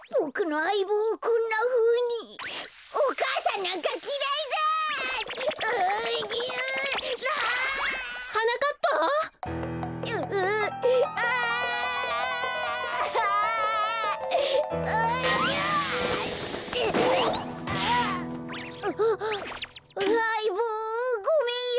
あいぼうごめんよ。